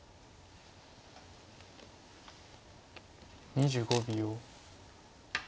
２５秒。